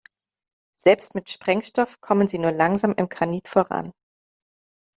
Selbst mit Sprengstoff kommen sie nur langsam im Granit voran.